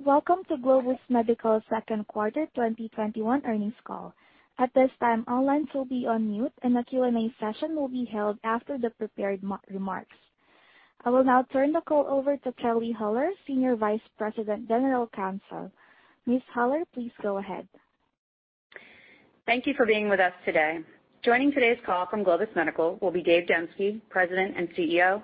Welcome to Globus Medical second quarter 2021 earnings call. At this time, all lines will be on mute and the Q&A session will be held after the prepared remarks. I will now turn the call over to Kelly Holler, Senior Vice President, General Counsel. Ms. Holler, please go ahead. Thank you for being with us today. Joining today's call from Globus Medical will be Dave Demski, President and CEO,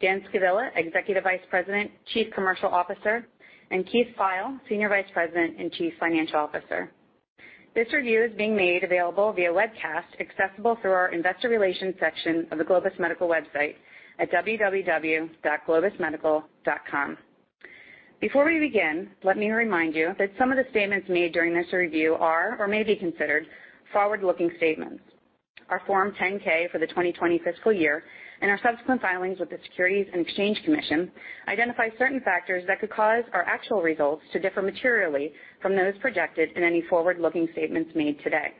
Dan Scavilla, Executive Vice President, Chief Commercial Officer, and Keith Pfeil, Senior Vice President and Chief Financial Officer. This review is being made available via webcast accessible through our investor relations section of the Globus Medical website at www.globusmedical.com. Before we begin, let me remind you that some of the statements made during this review are or may be considered forward-looking statements. Our Form 10-K for the 2020 fiscal year and our subsequent filings with the Securities and Exchange Commission identify certain factors that could cause our actual results to differ materially from those projected in any forward-looking statements made today.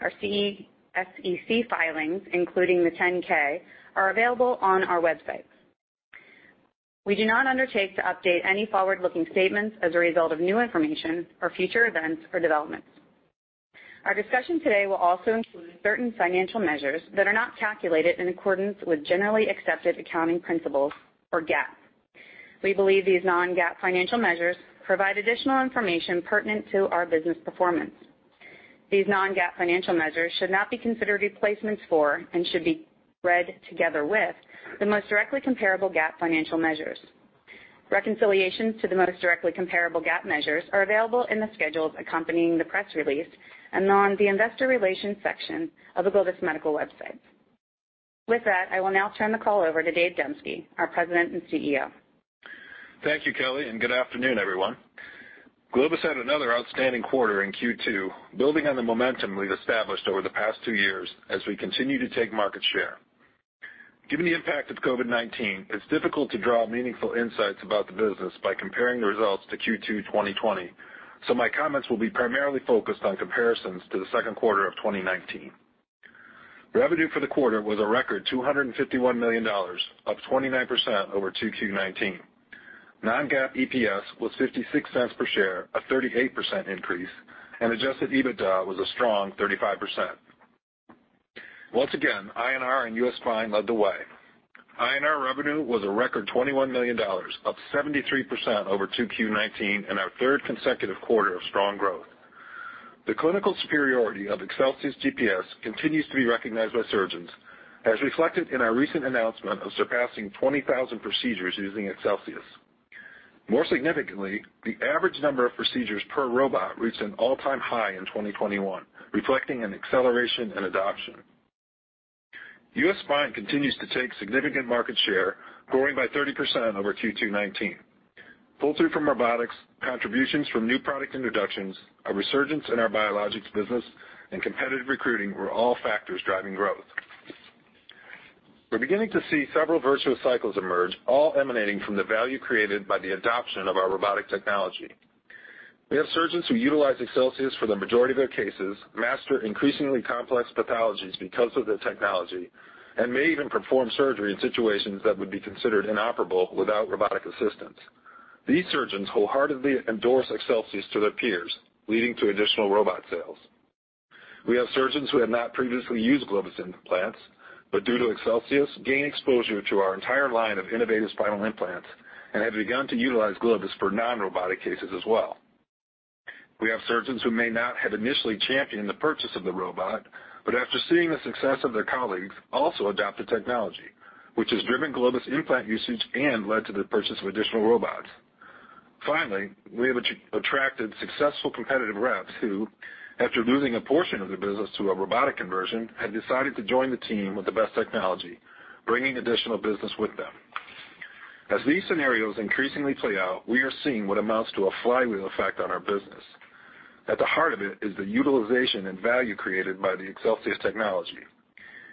Our SEC filings, including the 10-K, are available on our website. We do not undertake to update any forward-looking statements as a result of new information or future events or developments. Our discussion today will also include certain financial measures that are not calculated in accordance with generally accepted accounting principles or GAAP. We believe these non-GAAP financial measures provide additional information pertinent to our business performance. These non-GAAP financial measures should not be considered replacements for and should be read together with the most directly comparable GAAP financial measures. Reconciliations to the most directly comparable GAAP measures are available in the schedules accompanying the press release and on the investor relations section of the Globus Medical website. With that, I will now turn the call over to Dave Demski, our President and CEO. Thank you, Kelly, and good afternoon everyone. Globus had another outstanding quarter in Q2, building on the momentum we've established over the past two years as we continue to take market share. Given the impact of COVID-19, it's difficult to draw meaningful insights about the business by comparing the results to Q2 2020. My comments will be primarily focused on comparisons to the second quarter of 2019. Revenue for the quarter was a record $251 million, up 29% over 2Q 2019. Non-GAAP EPS was $0.56 per share, a 38% increase, and adjusted EBITDA was a strong 35%. Once again, INR and U.S. Spine led the way. INR revenue was a record $21 million, up 73% over 2Q 2019 and our third consecutive quarter of strong growth. The clinical superiority of ExcelsiusGPS continues to be recognized by surgeons, as reflected in our recent announcement of surpassing 20,000 procedures using Excelsius. More significantly, the average number of procedures per robot reached an all-time high in 2021, reflecting an acceleration in adoption. U.S. spine continues to take significant market share, growing by 30% over 2Q 2019. Pull through from robotics, contributions from new product introductions, a resurgence in our biologics business, and competitive recruiting were all factors driving growth. We're beginning to see several virtuous cycles emerge, all emanating from the value created by the adoption of our robotic technology. We have surgeons who utilize Excelsius for the majority of their cases, master increasingly complex pathologies because of the technology, and may even perform surgery in situations that would be considered inoperable without robotic assistance. These surgeons wholeheartedly endorse Excelsius to their peers, leading to additional robot sales. We have surgeons who have not previously used Globus implants, but due to Excelsius, gain exposure to our entire line of innovative spinal implants and have begun to utilize Globus for non-robotic cases as well. We have surgeons who may not have initially championed the purchase of the robot, but after seeing the success of their colleagues, also adopt the technology, which has driven Globus implant usage and led to the purchase of additional robots. Finally, we have attracted successful competitive reps who, after losing a portion of their business to a robotic conversion, have decided to join the team with the best technology, bringing additional business with them. As these scenarios increasingly play out, we are seeing what amounts to a flywheel effect on our business. At the heart of it is the utilization and value created by the Excelsius technology.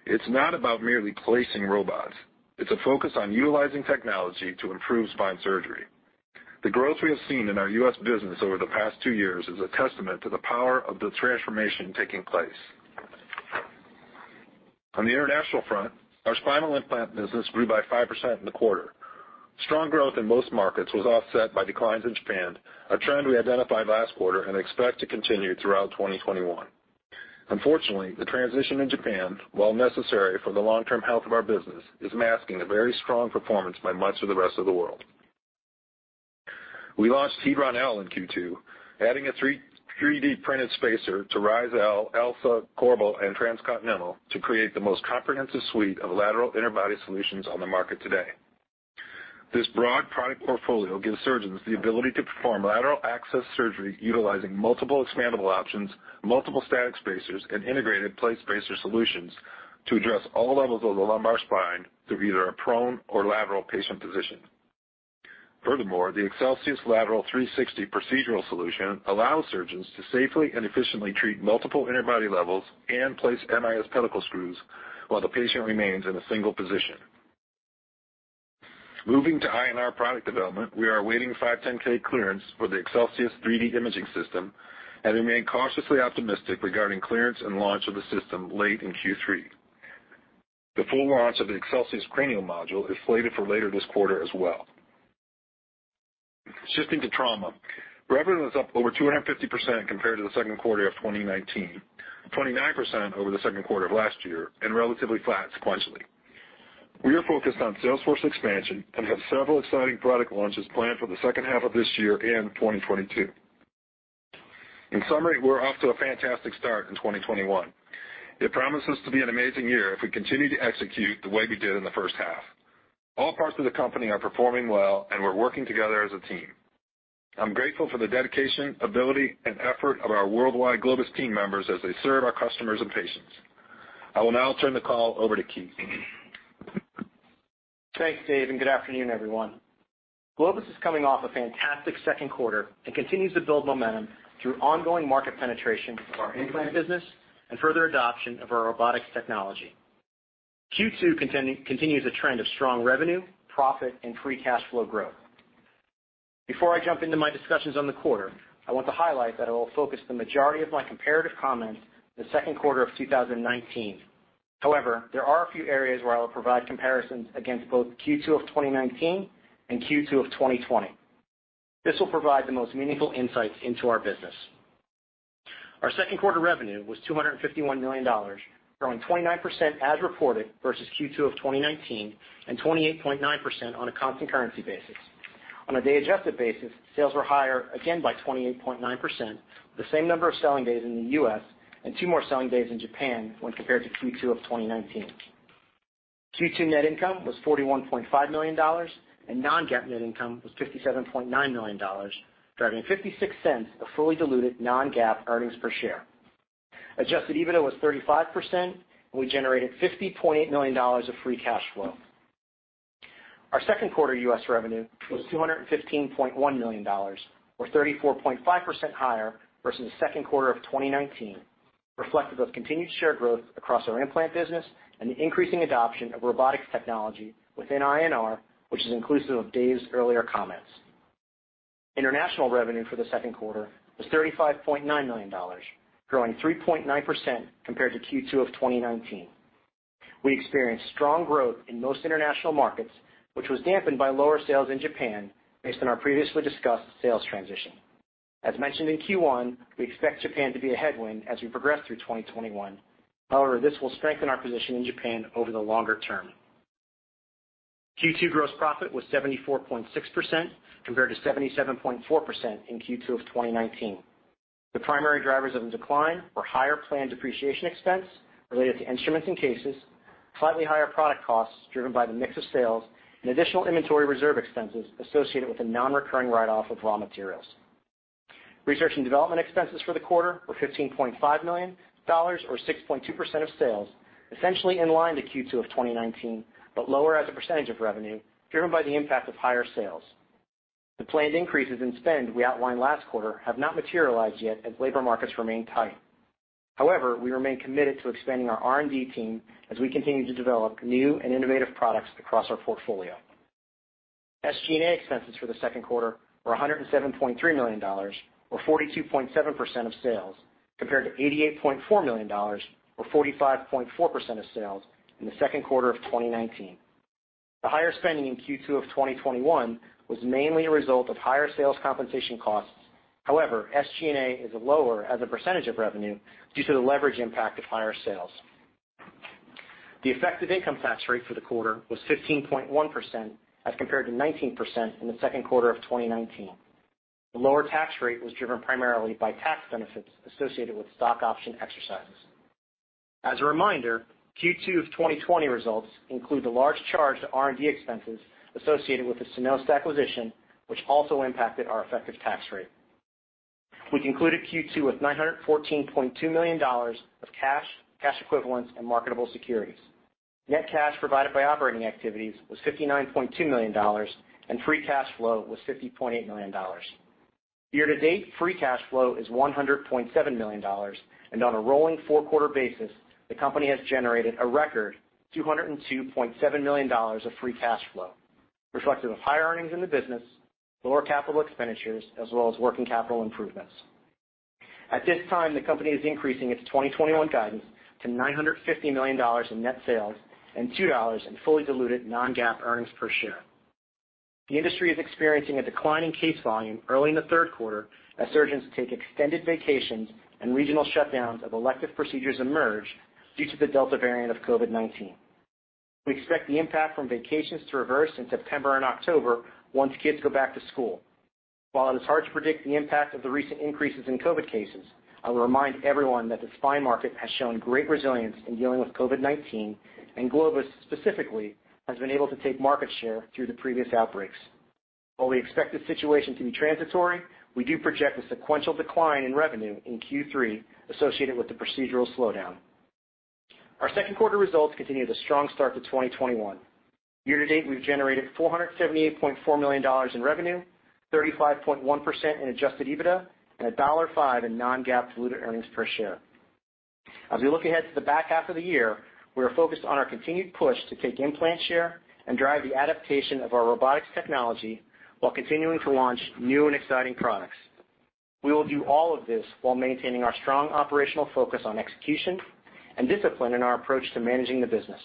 It's not about merely placing robots. It's a focus on utilizing technology to improve spine surgery. The growth we have seen in our U.S. business over the past two years is a testament to the power of the transformation taking place. On the international front, our spinal implant business grew by 5% in the quarter. Strong growth in most markets was offset by declines in Japan, a trend we identified last quarter and expect to continue throughout 2021. Unfortunately, the transition in Japan, while necessary for the long-term health of our business, is masking a very strong performance by much of the rest of the world. We launched HEDRON L in Q2, adding a 3D-printed spacer to RISE-L, ALIF, CORBEL, and TransContinental to create the most comprehensive suite of lateral interbody solutions on the market today. This broad product portfolio gives surgeons the ability to perform lateral access surgery utilizing multiple expandable options, multiple static spacers, and integrated place spacer solutions to address all levels of the lumbar spine through either a prone or lateral patient position. Furthermore, the Excelsius Lateral 360 procedural solution allows surgeons to safely and efficiently treat multiple interbody levels and place MIS pedicle screws while the patient remains in a single position. Moving to INR product development, we are awaiting 510(k) clearance for the Excelsius3D imaging system and remain cautiously optimistic regarding clearance and launch of the system late in Q3. The full launch of the Excelsius Cranial module is slated for later this quarter as well. Shifting to trauma. Revenue was up over 250% compared to the second quarter of 2019, 29% over the second quarter of last year, and relatively flat sequentially. We are focused on sales force expansion and have several exciting product launches planned for the second half of this year and 2022. In summary, we're off to a fantastic start in 2021. It promises to be an amazing year if we continue to execute the way we did in the first half. All parts of the company are performing well, and we're working together as a team. I'm grateful for the dedication, ability, and effort of our worldwide Globus team members as they serve our customers and patients. I will now turn the call over to Keith. Thanks, Dave, and good afternoon, everyone. Globus is coming off a fantastic second quarter and continues to build momentum through ongoing market penetration of our implant business and further adoption of our robotics technology. Q2 continues a trend of strong revenue, profit, and free cash flow growth. Before I jump into my discussions on the quarter, I want to highlight that I will focus the majority of my comparative comments on the second quarter of 2019. However, there are a few areas where I will provide comparisons against both Q2 of 2019 and Q2 of 2020. This will provide the most meaningful insights into our business. Our second quarter revenue was $251 million, growing 29% as reported versus Q2 of 2019, and 28.9% on a constant currency basis. On a day adjusted basis, sales were higher again by 28.9% with the same number of selling days in the U.S. and two more selling days in Japan when compared to Q2 of 2019. Q2 net income was $41.5 million, and non-GAAP net income was $57.9 million, driving $0.56 of fully diluted non-GAAP earnings per share. Adjusted EBITDA was 35%, and we generated $50.8 million of free cash flow. Our second quarter U.S. revenue was $215.1 million, or 34.5% higher versus the second quarter of 2019, reflective of continued share growth across our implant business and the increasing adoption of robotics technology within INR, which is inclusive of Dave's earlier comments. International revenue for the second quarter was $35.9 million, growing 3.9% compared to Q2 of 2019. We experienced strong growth in most international markets, which was dampened by lower sales in Japan based on our previously discussed sales transition. As mentioned in Q1, we expect Japan to be a headwind as we progress through 2021. However, this will strengthen our position in Japan over the longer term. Q2 gross profit was 74.6% compared to 77.4% in Q2 of 2019. The primary drivers of the decline were higher planned depreciation expense related to instruments and cases, slightly higher product costs driven by the mix of sales, and additional inventory reserve expenses associated with a non-recurring write-off of raw materials. Research and development expenses for the quarter were $15.5 million, or 6.2% of sales, essentially in line to Q2 of 2019, but lower as a percentage of revenue driven by the impact of higher sales. The planned increases in spend we outlined last quarter have not materialized yet as labor markets remain tight. However, we remain committed to expanding our R&D team as we continue to develop new and innovative products across our portfolio. SG&A expenses for the second quarter were $107.3 million, or 42.7% of sales, compared to $88.4 million, or 45.4% of sales in the second quarter of 2019. The higher spending in Q2 of 2021 was mainly a result of higher sales compensation costs. However, SG&A is lower as a percentage of revenue due to the leverage impact of higher sales. The effective income tax rate for the quarter was 15.1% as compared to 19% in the second quarter of 2019. The lower tax rate was driven primarily by tax benefits associated with stock option exercises. As a reminder, Q2 of 2020 results include the large charge to R&D expenses associated with the Synapse acquisition, which also impacted our effective tax rate. We concluded Q2 with $914.2 million of cash equivalents, and marketable securities. Net cash provided by operating activities was $59.2 million, and free cash flow was $50.8 million. Year to date, free cash flow is $100.7 million, and on a rolling four-quarter basis, the company has generated a record $202.7 million of free cash flow, reflective of higher earnings in the business, lower capital expenditures, as well as working capital improvements. At this time, the company is increasing its 2021 guidance to $950 million in net sales and $2 in fully diluted non-GAAP earnings per share. The industry is experiencing a decline in case volume early in the third quarter as surgeons take extended vacations and regional shutdowns of elective procedures emerge due to the Delta variant of COVID-19. We expect the impact from vacations to reverse in September and October once kids go back to school. While it is hard to predict the impact of the recent increases in COVID cases, I will remind everyone that the spine market has shown great resilience in dealing with COVID-19, and Globus specifically, has been able to take market share through the previous outbreaks. While we expect the situation to be transitory, we do project a sequential decline in revenue in Q3 associated with the procedural slowdown. Our second quarter results continue the strong start to 2021. Year to date, we've generated $478.4 million in revenue, 35.1% in adjusted EBITDA, and $1.50 in non-GAAP diluted earnings per share. As we look ahead to the back half of the year, we are focused on our continued push to take implant share and drive the adaptation of our robotics technology while continuing to launch new and exciting products. We will do all of this while maintaining our strong operational focus on execution and discipline in our approach to managing the business.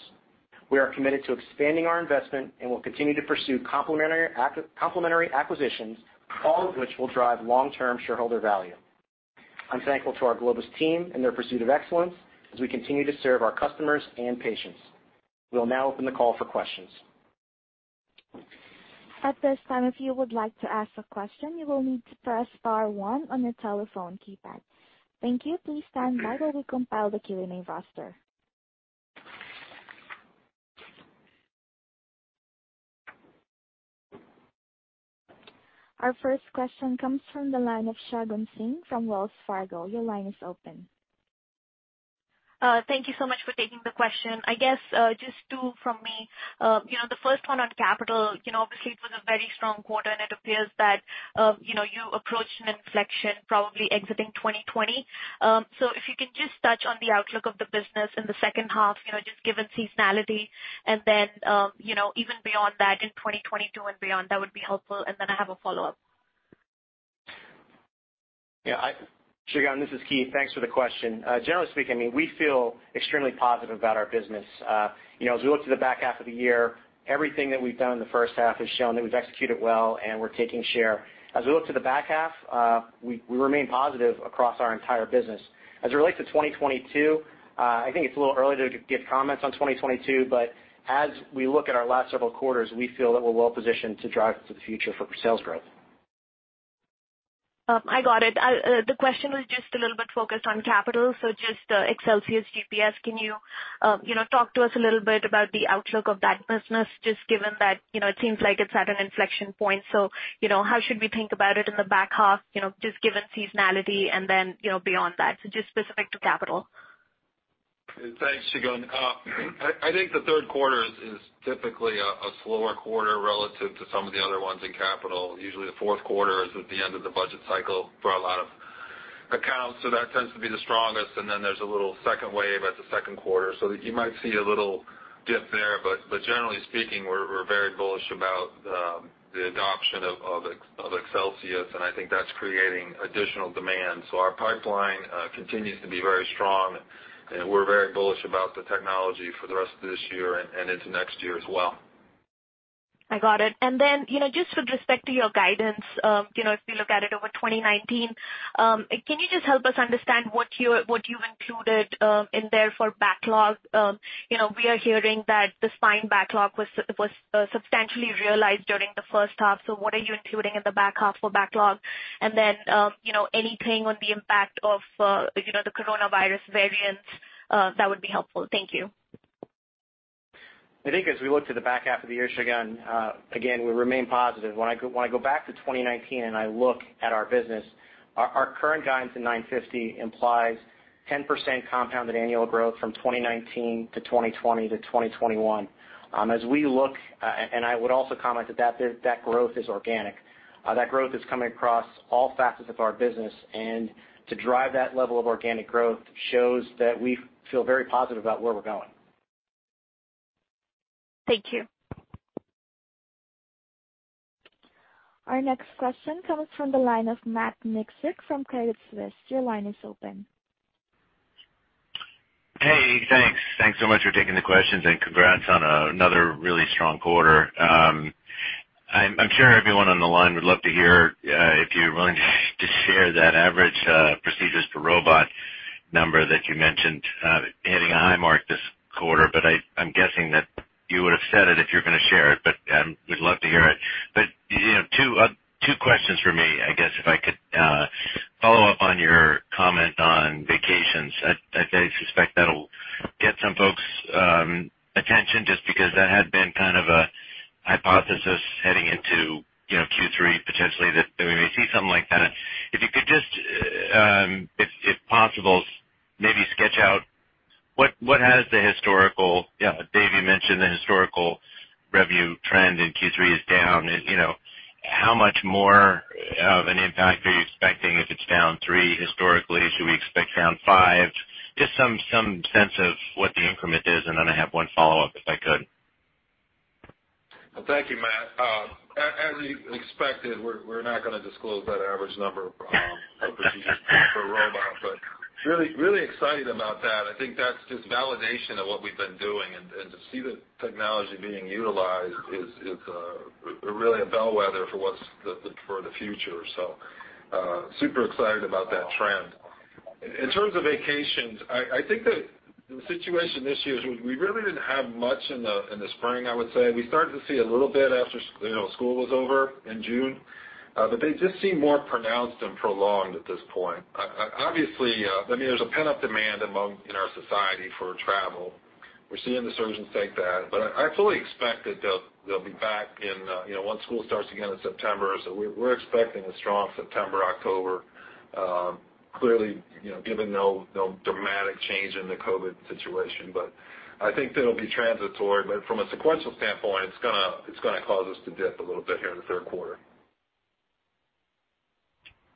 We are committed to expanding our investment and will continue to pursue complementary acquisitions, all of which will drive long-term shareholder value. I'm thankful to our Globus team and their pursuit of excellence as we continue to serve our customers and patients. We'll now open the call for questions. At this time, if you would like to ask a question, you will need to press star one on your telephone keypad. Thank you. Please stand by while we compile the Q&A roster. Our first question comes from the line of Shagun Singh from Wells Fargo. Your line is open. Thank you so much for taking the question. I guess just two from me. The first one on capital. Obviously, it was a very strong quarter. It appears that you approached an inflection probably exiting 2020. If you can just touch on the outlook of the business in the second half, just given seasonality and then even beyond that in 2022 and beyond, that would be helpful. I have a follow-up. Shagun, this is Keith. Thanks for the question. Generally speaking, we feel extremely positive about our business. As we look to the back half of the year, everything that we've done in the first half has shown that we've executed well and we're taking share. As we look to the back half, we remain positive across our entire business. As it relates to 2022, I think it's a little early to give comments on 2022, but as we look at our last several quarters, we feel that we're well positioned to drive to the future for sales growth. I got it. The question was just a little bit focused on capital. Just ExcelsiusGPS. Can you talk to us a little bit about the outlook of that business, just given that it seems like it's at an inflection point? How should we think about it in the back half, just given seasonality and then beyond that? Just specific to capital. Thanks, Shagun. I think the third quarter is typically a slower quarter relative to some of the other ones in capital. Usually the fourth quarter is at the end of the budget cycle for a lot of accounts. That tends to be the strongest, and then there's a little second wave at the second quarter. You might see a little dip there, but generally speaking, we're very bullish about the adoption of Excelsius, and I think that's creating additional demand. Our pipeline continues to be very strong, and we're very bullish about the technology for the rest of this year and into next year as well. I got it. Just with respect to your guidance, if we look at it over 2019, can you just help us understand what you included in there for backlog? We are hearing that the spine backlog was substantially realized during the first half. What are you including in the back half for backlog? Anything on the impact of the coronavirus variants. That would be helpful. Thank you. I think as we look to the back half of the year, Shagun, again, we remain positive. When I go back to 2019 and I look at our business, our current guidance in $950 million implies 10% compounded annual growth from 2019 to 2020 to 2021. As we look, I would also comment that growth is organic. That growth is coming across all facets of our business, to drive that level of organic growth shows that we feel very positive about where we're going. Thank you. Our next question comes from the line of Matt Miksic from Credit Suisse. Your line is open. Hey, thanks. Thanks so much for taking the questions and congrats on another really strong quarter. I'm sure everyone on the line would love to hear if you're willing to share that average procedures per robot number that you mentioned hitting a high mark this quarter. I'm guessing that you would have said it if you're going to share it, but we'd love to hear it. Two questions from me, I guess if I could follow up on your comment on vacations. I suspect that'll get some folks' attention just because that had been kind of a hypothesis heading into Q3 potentially that we may see something like that. If you could just, if possible, maybe sketch out what has the historical-- Dave, you mentioned the historical revenue trend in Q3 is down. How much more of an impact are you expecting if it's down three historically? Should we expect down five? Just some sense of what the increment is. I have one follow-up, if I could. Thank you, Matt. As you expected, we're not going to disclose that average number of procedures per robot. Really excited about that. I think that's just validation of what we've been doing. To see the technology being utilized is really a bellwether for the future. Super excited about that trend. In terms of vacations, I think that the situation this year is we really didn't have much in the spring, I would say. We started to see a little bit after school was over in June. They just seem more pronounced and prolonged at this point. Obviously, there's a pent-up demand in our society for travel. We're seeing the surgeons take that, but I fully expect that they'll be back once school starts again in September. We're expecting a strong September, October. Clearly, given no dramatic change in the COVID situation. I think that'll be transitory. From a sequential standpoint, it's going to cause us to dip a little bit here in the third quarter.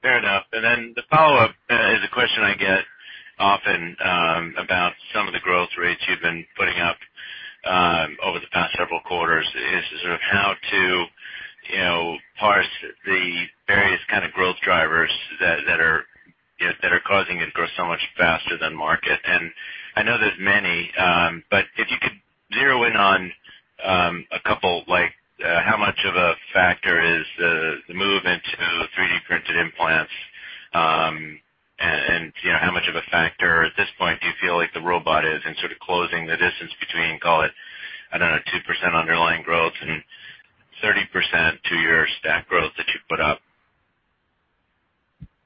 Fair enough. The follow-up question I get often about some of the growth rates you've been putting up over the past several quarters is sort of how to parse the various kind of growth drivers that are causing it to grow so much faster than market. I know there's many, but if you could zero in on a couple, like how much of a factor is the move into 3D-printed implants, and how much of a factor at this point do you feel like the robot is in sort of closing the distance between, call it, I don't know, 2% underlying growth and 30% two-year stack growth that you've put up?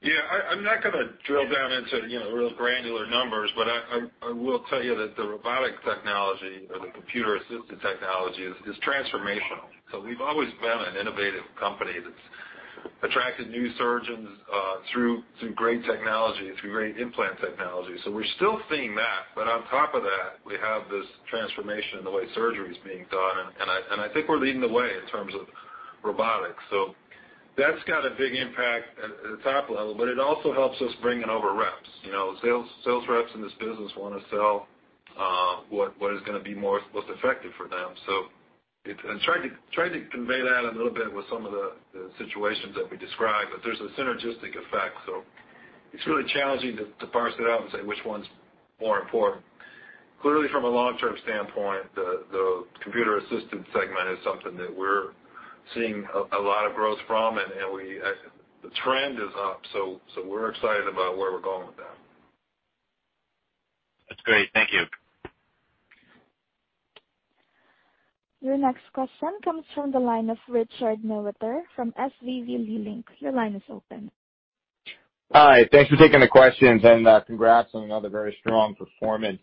Yeah. I'm not going to drill down into real granular numbers, but I will tell you that the robotic technology or the computer-assisted technology is transformational. We've always been an innovative company that's attracted new surgeons through great technology, through great implant technology. We're still seeing that, but on top of that, we have this transformation in the way surgery's being done, and I think we're leading the way in terms of robotics. That's got a big impact at the top level, but it also helps us bringing over reps. Sales reps in this business want to sell what is going to be most effective for them. I tried to convey that a little bit with some of the situations that we described, but there's a synergistic effect. It's really challenging to parse it out and say which one's more important. Clearly, from a long-term standpoint, the computer-assisted segment is something that we're seeing a lot of growth from, and the trend is up. We're excited about where we're going with that. That's great. Thank you. Your next question comes from the line of Richard Newitter from SVB Leerink. Your line is open. Hi. Thanks for taking the questions, congrats on another very strong performance.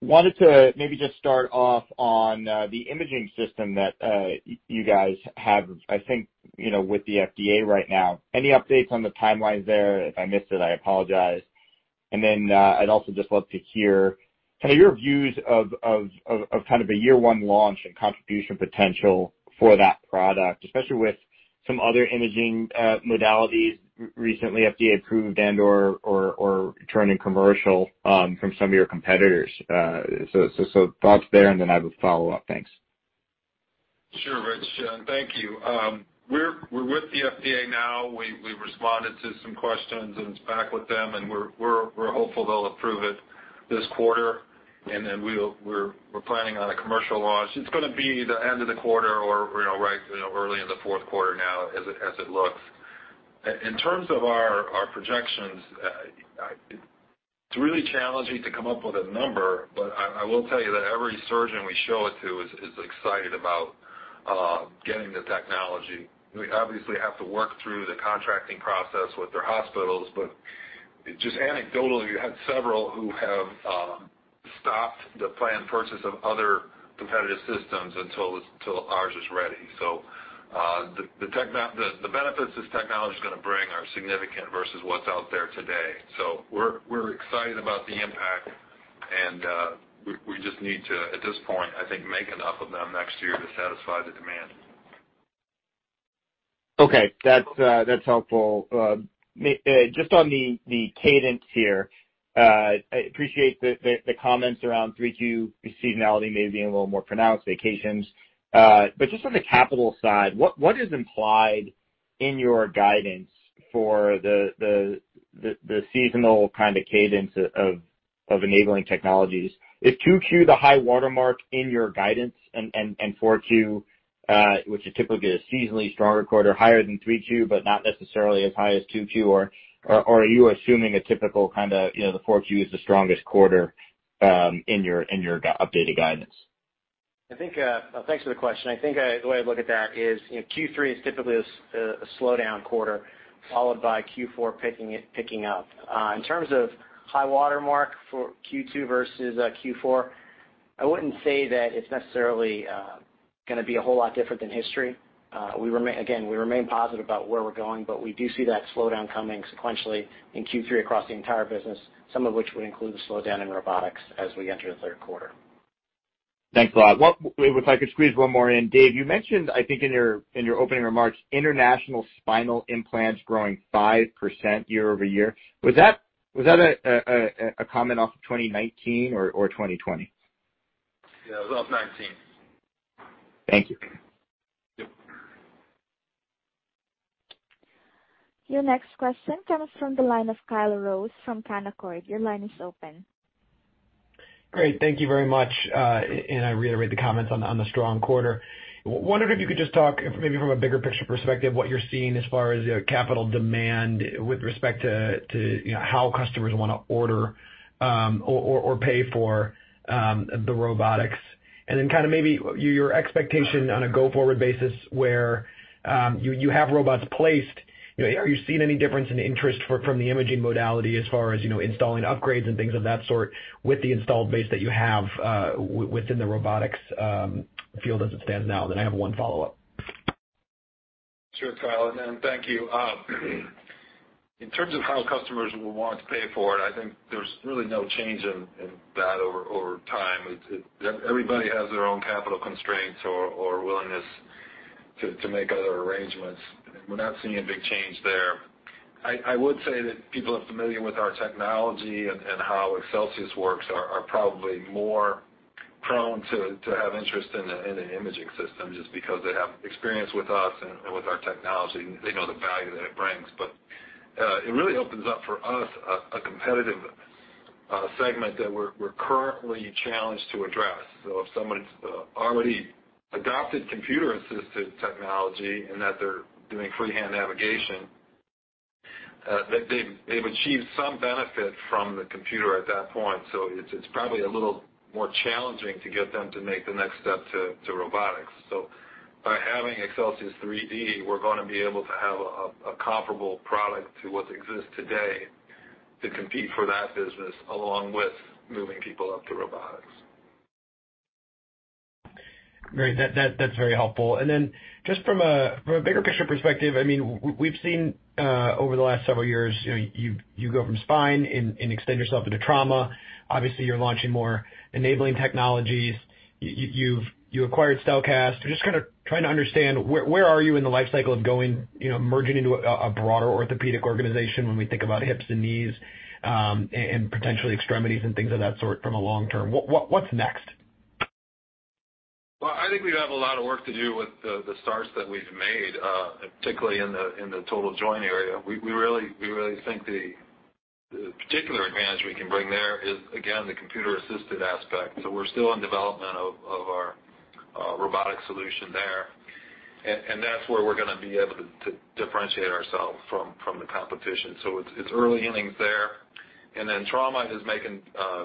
Wanted to maybe just start off on the imaging system that you guys have, I think, with the FDA right now. Any updates on the timelines there? If I missed it, I apologize. I'd also just love to hear kind of your views of kind of a year 1 launch and contribution potential for that product, especially with some other imaging modalities recently FDA approved and/or turning commercial from some of your competitors. Thoughts there, and then I have a follow-up. Thanks. Sure, Rich. Thank you. We're with the FDA now. We responded to some questions and it's back with them, and we're hopeful they'll approve it this quarter. Then we're planning on a commercial launch. It's going to be the end of the quarter or right early in the fourth quarter now as it looks. In terms of our projections, it's really challenging to come up with a number, but I will tell you that every surgeon we show it to is excited about getting the technology. We obviously have to work through the contracting process with their hospitals, but just anecdotally, we had several who have stopped the planned purchase of other competitive systems until ours is ready. The benefits this technology's going to bring are significant versus what's out there today. We're excited about the impact, and we just need to, at this point, I think, make enough of them next year to satisfy the demand. Okay. That's helpful. Just on the cadence here. I appreciate the comments around 3Q seasonality maybe being a little more pronounced, vacations. Just on the capital side, what is implied in your guidance for the seasonal kind of cadence of enabling technologies? Is 2Q the high watermark in your guidance and 4Q, which is typically a seasonally stronger quarter, higher than 3Q, but not necessarily as high as 2Q, or are you assuming a typical kind of the 4Q is the strongest quarter in your updated guidance? Thanks for the question. I think the way I look at that is Q3 is typically a slowdown quarter, followed by Q4 picking up. In terms of high watermark for Q2 versus Q4, I wouldn't say that it's necessarily going to be a whole lot different than history. We remain positive about where we're going, but we do see that slowdown coming sequentially in Q3 across the entire business, some of which would include the slowdown in robotics as we enter the third quarter. Thanks a lot. If I could squeeze one more in. Dave, you mentioned, I think in your opening remarks, international spinal implants growing 5% year-over-year. Was that a comment off of 2019 or 2020? Yeah, it was off 2019. Thank you. Yep. Your next question comes from the line of Kyle Rose from Canaccord. Your line is open. Great. Thank you very much. I reiterate the comments on the strong quarter. Wondered if you could just talk maybe from a bigger picture perspective, what you're seeing as far as capital demand with respect to how customers want to order or pay for the robotics. Kind of maybe your expectation on a go-forward basis where you have robots placed. Are you seeing any difference in interest from the imaging modality as far as installing upgrades and things of that sort with the installed base that you have within the robotics field as it stands now? I have one follow-up. Sure, Kyle, thank you. In terms of how customers will want to pay for it, I think there's really no change in that over time. Everybody has their own capital constraints or willingness to make other arrangements. We're not seeing a big change there. I would say that people are familiar with our technology and how Excelsius works, are probably more prone to have interest in an imaging system just because they have experience with us and with our technology, they know the value that it brings. It really opens up for us a competitive segment that we're currently challenged to address. If someone's already adopted computer assisted technology and that they're doing freehand navigation, they've achieved some benefit from the computer at that point. It's probably a little more challenging to get them to make the next step to robotics. By having Excelsius3D, we're going to be able to have a comparable product to what exists today to compete for that business, along with moving people up to robotics. Great. That's very helpful. Then just from a bigger picture perspective, we've seen over the last several years, you go from spine and extend yourself into trauma. Obviously, you're launching more enabling technologies. You acquired StelKast. Just kind of trying to understand where are you in the life cycle of merging into a broader orthopedic organization when we think about hips and knees, and potentially extremities and things of that sort from a long term, what's next? Well, I think we have a lot of work to do with the starts that we've made, particularly in the total joint area. We really think the particular advantage we can bring there is, again, the computer assisted aspect. We're still in development of our robotic solution there, and that's where we're going to be able to differentiate ourselves from the competition. It's early innings there. Trauma is making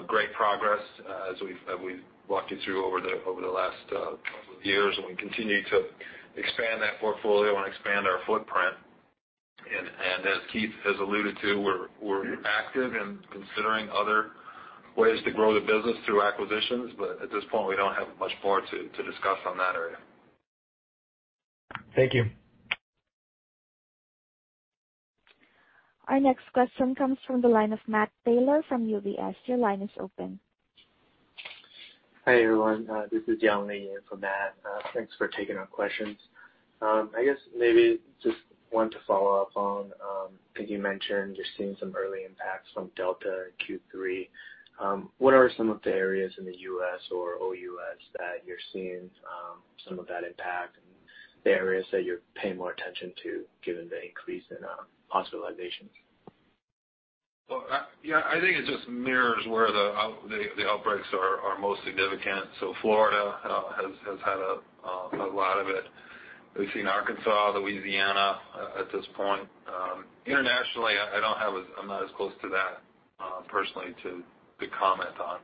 great progress as we've walked you through over the last couple of years. We continue to expand that portfolio and expand our footprint. As Keith has alluded to, we're active in considering other ways to grow the business through acquisitions. At this point, we don't have much more to discuss on that area. Thank you. Our next question comes from the line of Matt Taylor from UBS. Your line is open. Hi, everyone. This is Yang Ling in for Matt. Thanks for taking our questions. I guess maybe just wanted to follow up on, I think you mentioned you're seeing some early impacts from Delta in Q3. What are some of the areas in the U.S. or OUS that you're seeing some of that impact and the areas that you're paying more attention to given the increase in hospitalizations? Yeah, I think it just mirrors where the outbreaks are most significant. Florida has had a lot of it. We've seen Arkansas, Louisiana at this point. Internationally, I'm not as close to that personally to comment on.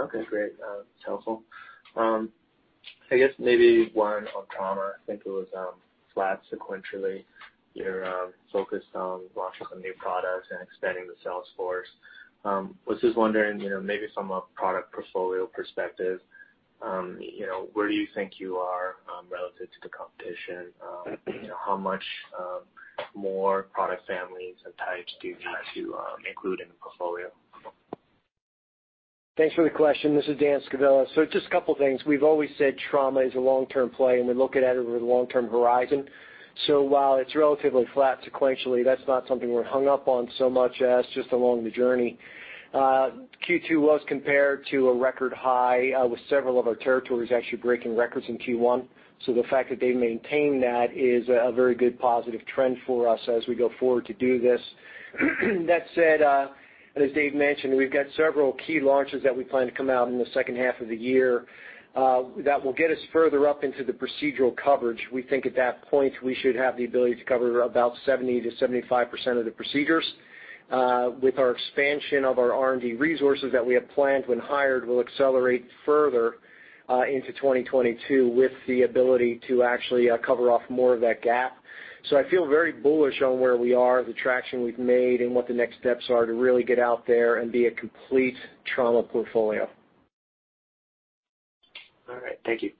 Okay, great. That's helpful. I guess maybe one on trauma. I think it was flat sequentially. You're focused on launching some new products and expanding the sales force. Was just wondering maybe from a product portfolio perspective, where do you think you are relative to the competition? How much more product families and types do you need to include in the portfolio? Thanks for the question. This is Dan Scavilla. Just a couple of things. We've always said trauma is a long-term play and we look at it with a long-term horizon. While it's relatively flat sequentially, that's not something we're hung up on so much as just along the journey. Q2 was compared to a record high with several of our territories actually breaking records in Q1. The fact that they maintained that is a very good positive trend for us as we go forward to do this. That said, and as Dave mentioned, we've got several key launches that we plan to come out in the second half of the year that will get us further up into the procedural coverage. We think at that point, we should have the ability to cover about 70%-75% of the procedures. With our expansion of our R&D resources that we have planned when hired will accelerate further into 2022 with the ability to actually cover off more of that gap. I feel very bullish on where we are, the traction we've made, and what the next steps are to really get out there and be a complete trauma portfolio. All right. Thank you.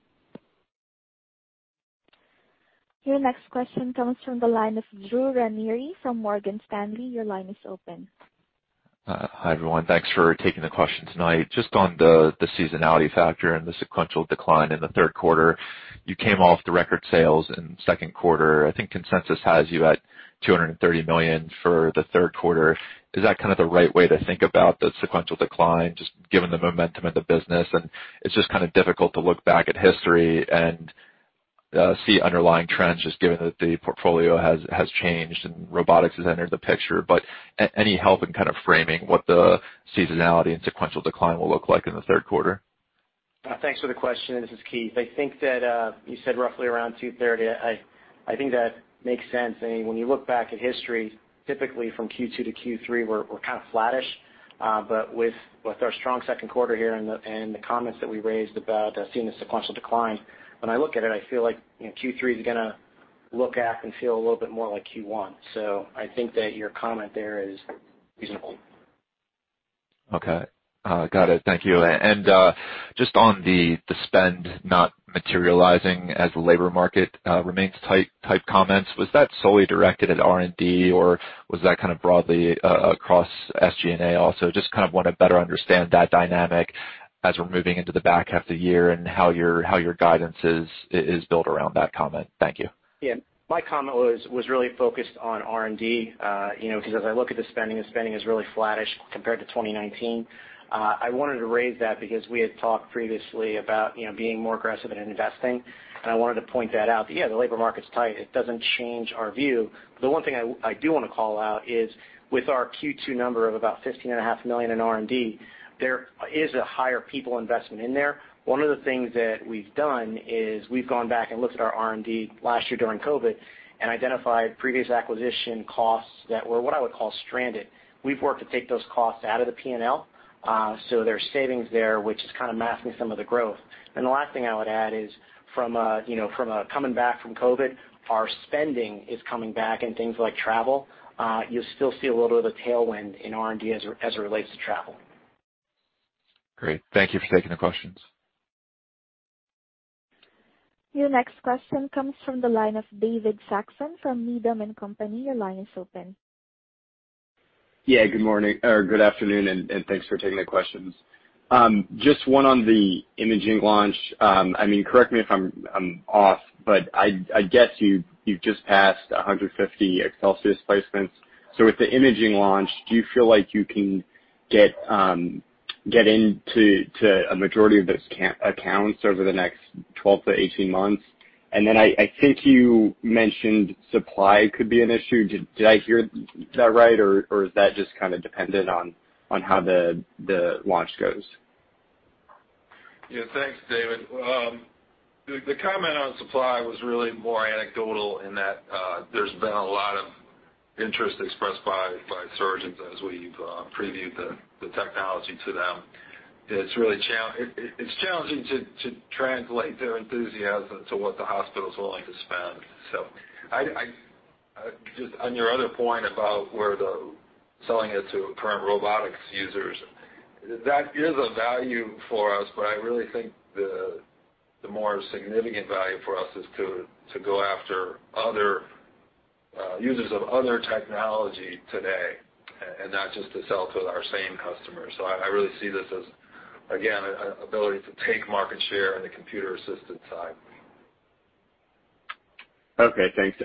Your next question comes from the line of Drew Ranieri from Morgan Stanley. Your line is open. Hi, everyone. Thanks for taking the question tonight. Just on the seasonality factor and the sequential decline in the third quarter, you came off the record sales in second quarter. I think consensus has you at $230 million for the third quarter. Is that kind of the right way to think about the sequential decline, just given the momentum of the business? It's just kind of difficult to look back at history and see underlying trends, just given that the portfolio has changed and robotics has entered the picture. Any help in kind of framing what the seasonality and sequential decline will look like in the third quarter? Thanks for the question. This is Keith. You said roughly around $230 million. I think that makes sense. When you look back at history, typically from Q2 to Q3 we're kind of flattish. With our strong second quarter here and the comments that we raised about seeing the sequential decline, when I look at it, I feel like Q3 is going to look at and feel a little bit more like Q1. I think that your comment there is reasonable. Okay. Got it. Thank you. Just on the spend not materializing as the labor market remains tight comments, was that solely directed at R&D or was that kind of broadly across SG&A also? Just kind of want to better understand that dynamic, as we're moving into the back half of the year and how your guidance is built around that comment. Thank you. My comment was really focused on R&D, because as I look at the spending, the spending is really flattish compared to 2019. I wanted to raise that because we had talked previously about being more aggressive in investing, and I wanted to point that out that the labor market's tight. It doesn't change our view. The one thing I do want to call out is with our Q2 number of about $15.5 million in R&D, there is a higher people investment in there. One of the things that we've done is we've gone back and looked at our R&D last year during COVID and identified previous acquisition costs that were what I would call stranded. We've worked to take those costs out of the P&L, so there's savings there, which is kind of masking some of the growth. The last thing I would add is from coming back from COVID, our spending is coming back and things like travel, you'll still see a little bit of a tailwind in R&D as it relates to travel. Great. Thank you for taking the questions. Your next question comes from the line of David Saxon from Needham & Company. Your line is open. Yeah, good morning or good afternoon and thanks for taking the questions. Just one on the imaging launch. Correct me if I'm off, I guess you've just passed 150 Excelsius placements. With the imaging launch, do you feel like you can get into a majority of those accounts over the next 12 to 18 months? I think you mentioned supply could be an issue. Did I hear that right, or is that just kind of dependent on how the launch goes? Yeah. Thanks, David. The comment on supply was really more anecdotal in that there's been a lot of interest expressed by surgeons as we've previewed the technology to them. It's challenging to translate their enthusiasm to what the hospital's willing to spend. On your other point about where the selling it to current robotics users, that is a value for us, but I really think the more significant value for us is to go after other users of other technology today and not just to sell to our same customers. I really see this as, again, an ability to take market share on the computer assisted side. Okay, thanks.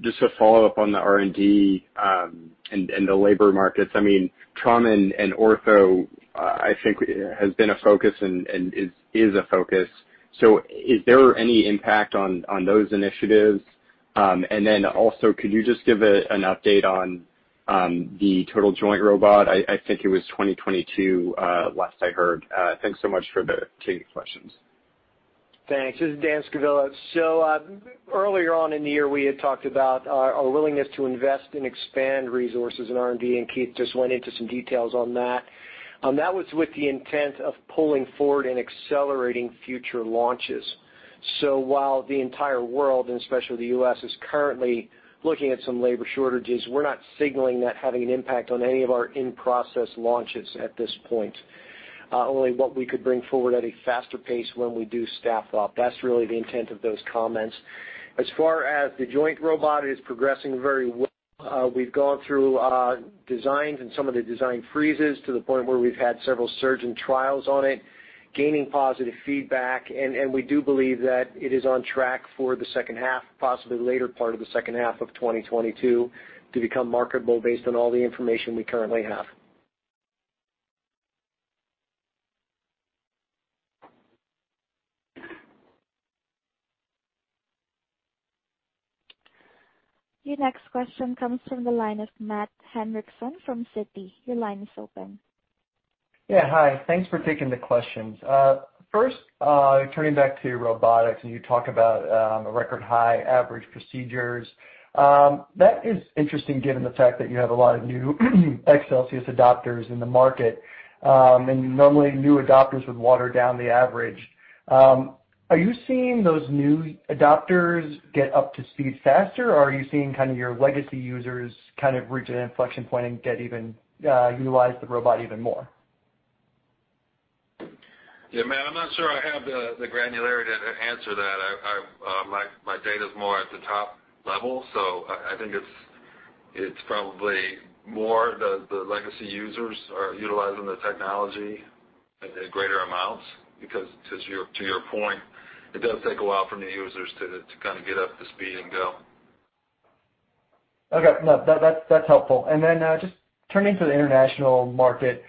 Just a follow-up on the R&D and the labor markets. Trauma and ortho, I think has been a focus and is a focus. Is there any impact on those initiatives? Also could you just give an update on the total joint robot? I think it was 2022 last I heard. Thanks so much for taking the questions. Thanks. This is Dan Scavilla. Earlier on in the year, we had talked about our willingness to invest and expand resources in R&D, and Keith just went into some details on that. That was with the intent of pulling forward and accelerating future launches. While the entire world, and especially the U.S., is currently looking at some labor shortages, we're not signaling that having an impact on any of our in-process launches at this point. Only what we could bring forward at a faster pace when we do staff up. That's really the intent of those comments. As far as the joint robot, it is progressing very well. We've gone through designs and some of the design freezes to the point where we've had several surgeon trials on it, gaining positive feedback, and we do believe that it is on track for the second half, possibly the later part of the second half of 2022 to become marketable based on all the information we currently have. Your next question comes from the line of Matt Henricksen from Citi. Your line is open. Yeah, hi. Thanks for taking the questions. First, turning back to robotics, you talk about record high average procedures. That is interesting given the fact that you have a lot of new Excelsius adopters in the market, normally new adopters would water down the average. Are you seeing those new adopters get up to speed faster, or are you seeing kind of your legacy users kind of reach an inflection point and utilize the robot even more? Yeah, Matt, I'm not sure I have the granularity to answer that. My data's more at the top level, so I think it's probably more the legacy users are utilizing the technology in greater amounts because to your point, it does take a while for new users to kind of get up to speed and go. Okay. No, that's helpful. Then just turning to the international market,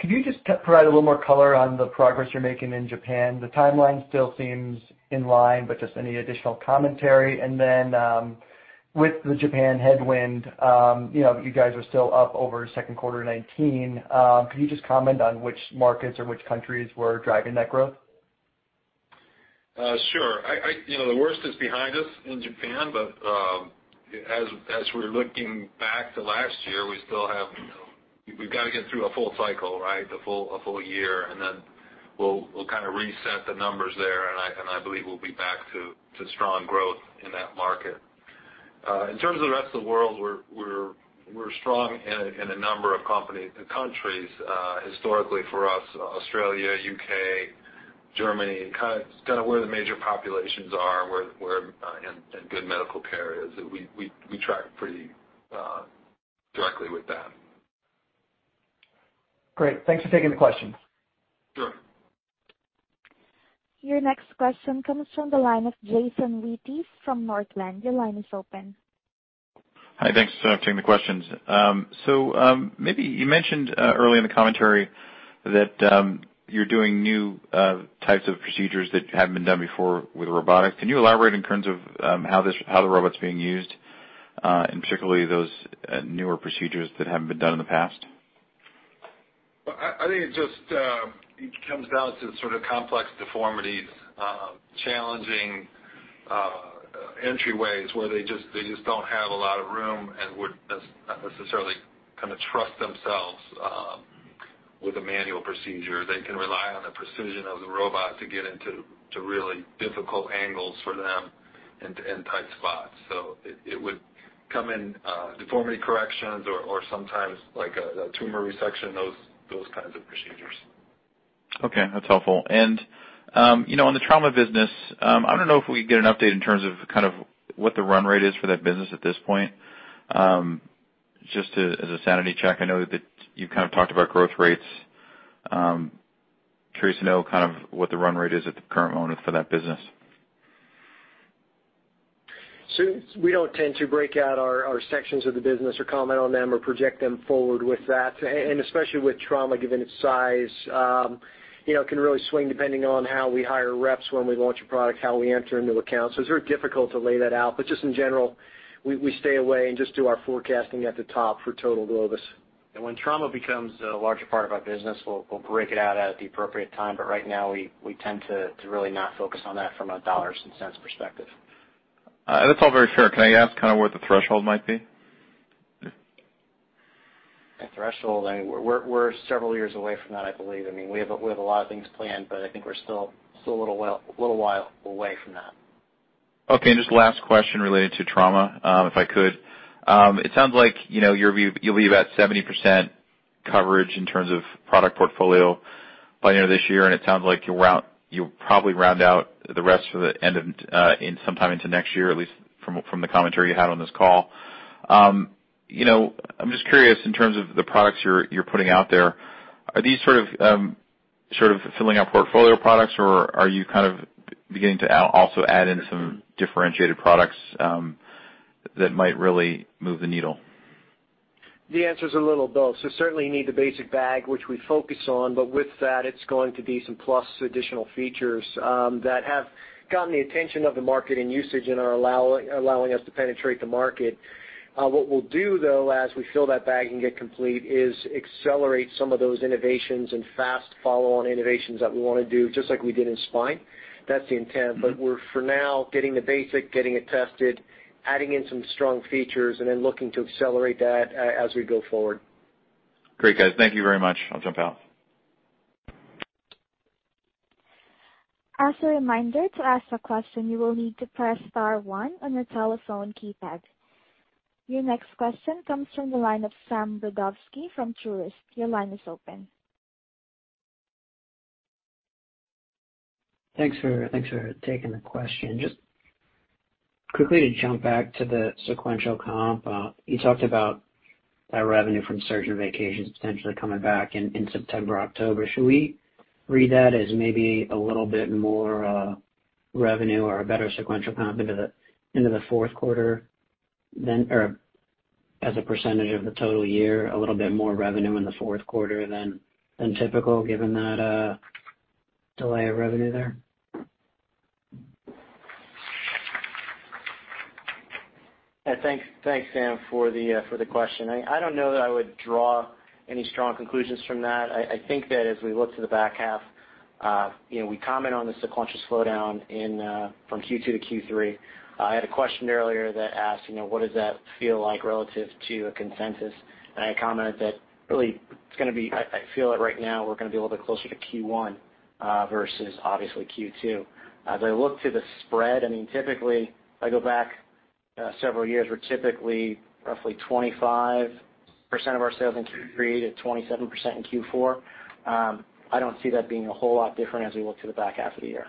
could you just provide a little more color on the progress you're making in Japan? The timeline still seems in line, but just any additional commentary, and then with the Japan headwind, you guys are still up over second quarter 2019. Can you just comment on which markets or which countries were driving that growth? Sure. The worst is behind us in Japan. As we're looking back to last year, we've got to get through a full cycle, right? A full year. Then we'll kind of reset the numbers there. I believe we'll be back to strong growth in that market. In terms of the rest of the world, we're strong in a number of countries historically for us, Australia, U.K., Germany, kind of where the major populations are and where good medical care is. We track pretty directly with that. Great. Thanks for taking the question. Sure. Your next question comes from the line of Jason Wittes from Northland. Your line is open. Hi. Thanks for taking the questions. Maybe you mentioned earlier in the commentary that you're doing new types of procedures that haven't been done before with robotics. Can you elaborate in terms of how the robot's being used, and particularly those newer procedures that haven't been done in the past? Well, I think it just comes down to sort of complex deformities, challenging entryways where they just don't have a lot of room and would not necessarily kind of trust themselves with a manual procedure. They can rely on the precision of the robot to get into really difficult angles for them and tight spots. It would come in deformity corrections or sometimes like a tumor resection, those kinds of procedures. Okay, that's helpful. On the trauma business, I don't know if we can get an update in terms of kind of what the run rate is for that business at this point. Just as a sanity check, I know that you kind of talked about growth rates. I'm curious to know kind of what the run rate is at the current moment for that business. We don't tend to break out our sections of the business or comment on them or project them forward with that. Especially with trauma, given its size, it can really swing depending on how we hire reps, when we launch a product, how we enter a new account. It's very difficult to lay that out. Just in general, we stay away and just do our forecasting at the top for total Globus. When trauma becomes a larger part of our business, we'll break it out at the appropriate time. Right now, we tend to really not focus on that from a dollars and cents perspective. That's all very fair. Can I ask kind of what the threshold might be? The threshold, I mean, we're several years away from that, I believe. I mean, we have a lot of things planned, but I think we're still a little while away from that. Okay, just last question related to trauma, if I could. It sounds like you'll be about 70% coverage in terms of product portfolio by end of this year, and it sounds like you'll probably round out the rest for the end of sometime into next year, at least from the commentary you had on this call. I'm just curious in terms of the products you're putting out there, are these sort of filling out portfolio products, or are you kind of beginning to also add in some differentiated products that might really move the needle? The answer's a little of both. Certainly need the basic bag, which we focus on. With that, it's going to be some plus additional features that have gotten the attention of the market in usage and are allowing us to penetrate the market. What we'll do though, as we fill that bag and get complete, is accelerate some of those innovations and fast follow on innovations that we want to do, just like we did in spine. That's the intent. We're for now getting the basic, getting it tested, adding in some strong features, and then looking to accelerate that as we go forward. Great, guys. Thank you very much. I'll jump out. As a reminder, to ask a question, you will need to press star one on your telephone keypad. Your next question comes from the line of Sam Brodovsky from Truist. Your line is open. Thanks for taking the question. Just quickly to jump back to the sequential comp. You talked about that revenue from surgeon vacations potentially coming back in September, October. Should we read that as maybe a little bit more revenue or a better sequential comp into the fourth quarter then, or as a percentage of the total year, a little bit more revenue in the fourth quarter than typical given that delay of revenue there? Thanks, Sam, for the question. I don't know that I would draw any strong conclusions from that. I think that as we look to the back half, we comment on the sequential slowdown from Q2 to Q3. I had a question earlier that asked, what does that feel like relative to a consensus? I commented that really it's going to be, I feel it right now we're going to be a little bit closer to Q1 versus obviously Q2. I look to the spread, I mean, typically if I go back several years, we're typically roughly 25% of our sales in Q3 to 27% in Q4. I don't see that being a whole lot different as we look to the back half of the year.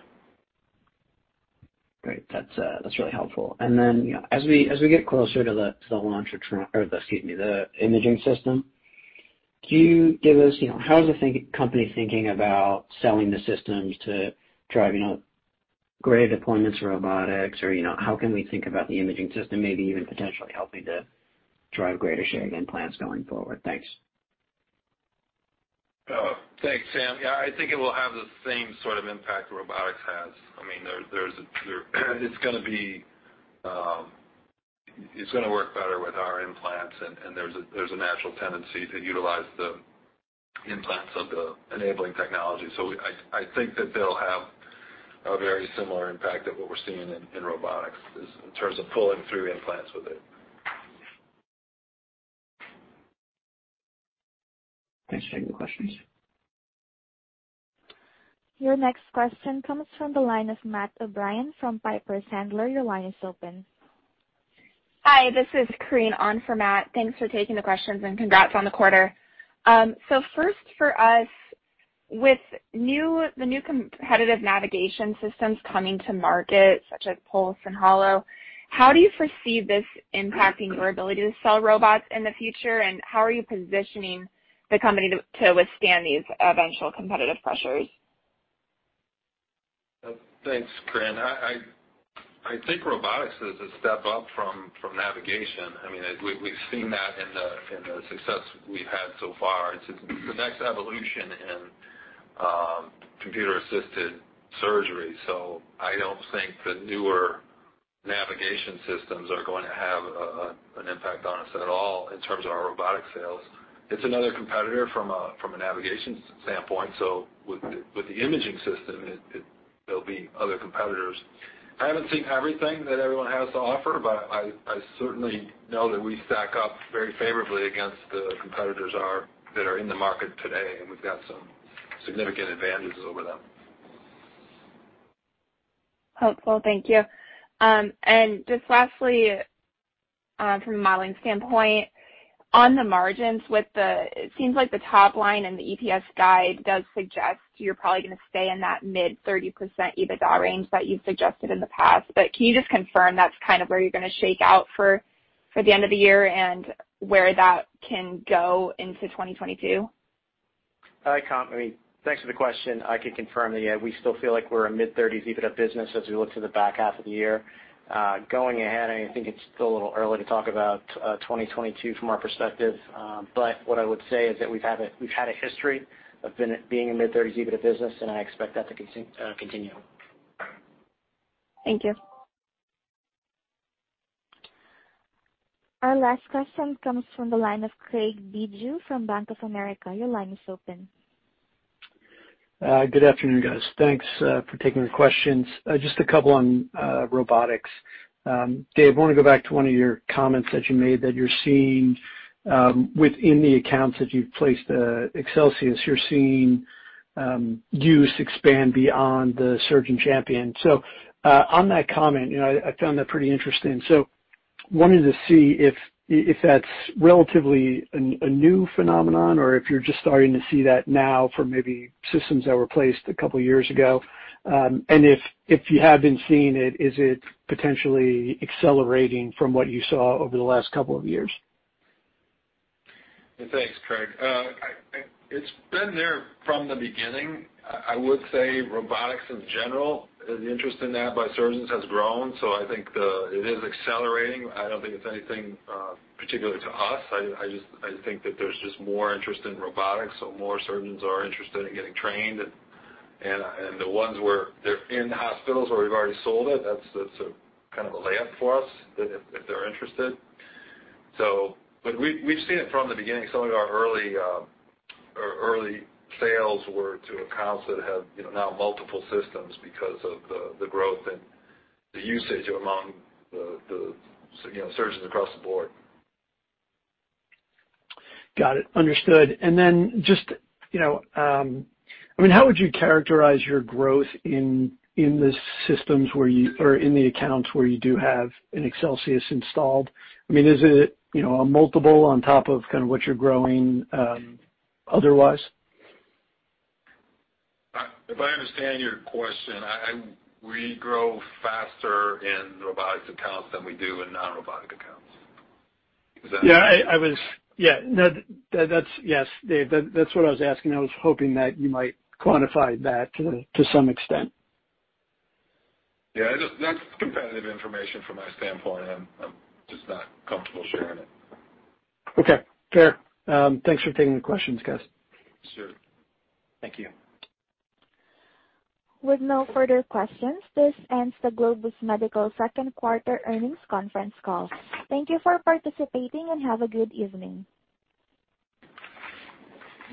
Great. That's really helpful. As we get closer to the launch of the imaging system, can you give us-- how is the company thinking about selling the systems to driving up greater deployments for robotics? Or how can we think about the imaging system maybe even potentially helping to drive greater share of implants going forward? Thanks. Thanks, Sam. Yeah, I think it will have the same sort of impact robotics has. I mean, it's going to work better with our implants and there's a natural tendency to utilize the implants of the enabling technology. I think that they'll have a very similar impact of what we're seeing in robotics in terms of pulling through implants with it. Thanks for taking the questions. Your next question comes from the line of Matt O'Brien from Piper Sandler. Your line is open. Hi, this is Korinne on for Matt. Thanks for taking the questions, and congrats on the quarter. First for us, with the new competitive navigation systems coming to market, such as Pulse and Halo, how do you foresee this impacting your ability to sell robots in the future, and how are you positioning the company to withstand these eventual competitive pressures? Thanks, Korinne. I think robotics is a step up from navigation. We've seen that in the success we've had so far. It's the next evolution in computer-assisted surgery, so I don't think the newer navigation systems are going to have an impact on us at all in terms of our robotic sales. It's another competitor from a navigation standpoint. With the imaging system, there'll be other competitors. I haven't seen everything that everyone has to offer, but I certainly know that we stack up very favorably against the competitors that are in the market today, and we've got some significant advantages over them. Helpful. Thank you. Just lastly, from a modeling standpoint, on the margins, it seems like the top line and the EPS guide does suggest you're probably going to stay in that mid 30% EBITDA range that you've suggested in the past. Can you just confirm that's kind of where you're going to shake out for the end of the year and where that can go into 2022? Hi. Thanks for the question. I can confirm that, yeah, we still feel like we're a mid-30s EBITDA business as we look to the back half of the year. Going ahead, I think it's still a little early to talk about 2022 from our perspective. What I would say is that we've had a history of being a mid-30s EBITDA business, and I expect that to continue. Thank you. Our last question comes from the line of Craig Bijou from Bank of America. Your line is open. Good afternoon, guys. Thanks for taking the questions. Just a couple on robotics. Dave, I want to go back to one of your comments that you made that you're seeing within the accounts that you've placed Excelsius, you're seeing use expand beyond the surgeon champion. On that comment, I found that pretty interesting. Wanted to see if that's relatively a new phenomenon or if you're just starting to see that now for maybe systems that were placed a couple of years ago. If you have been seeing it, is it potentially accelerating from what you saw over the last couple of years? Yeah. Thanks, Craig. It's been there from the beginning. I would say robotics in general, the interest in that by surgeons has grown. I think it is accelerating. I don't think it's anything particular to us. I think that there's just more interest in robotics, more surgeons are interested in getting trained, and the ones where they're in hospitals where we've already sold it, that's kind of a layup for us if they're interested. We've seen it from the beginning. Some of our early sales were to accounts that have now multiple systems because of the growth and the usage among the surgeons across the board. Got it. Understood. Just, how would you characterize your growth in the accounts where you do have an Excelsius installed? Is it a multiple on top of kind of what you're growing otherwise? If I understand your question, we grow faster in robotics accounts than we do in non-robotic accounts. Yes, Dave. That's what I was asking. I was hoping that you might quantify that to some extent. Yeah. That's competitive information from my standpoint. I'm just not comfortable sharing it. Okay, fair. Thanks for taking the questions, guys. Sure. Thank you. With no further questions, this ends the Globus Medical second quarter earnings conference call. Thank you for participating, and have a good evening.